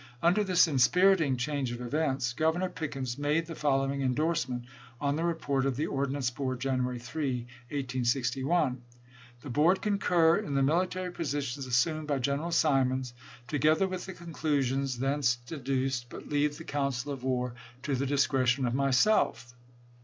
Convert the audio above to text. Under this inspiriting "change of events" Governor Pickens made the following indorsement on the report of the ord nance board January 3, 1861 :" The board concur in the military positions assumed by General Simons, together with the conclusions thence de THE MILITAKY SITUATION AT CHARLESTON 123 duced, but leave the council of war to the discre tion of myself.